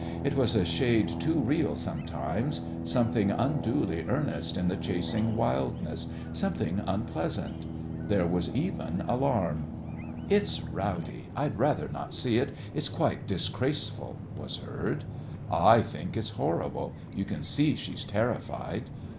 It was a shade too real sometimes, something unduly earnest in the chasing wildness, something unpleasant. There was even alarm. "It's rowdy; I'd rather not see it; it's quite disgraceful," was heard. "I think it's horrible; you can see she's terrified."